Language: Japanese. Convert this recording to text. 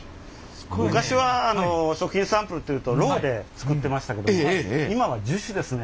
昔は食品サンプルっていうとロウで作ってましたけど今は樹脂ですね。